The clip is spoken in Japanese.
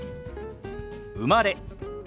「生まれ」。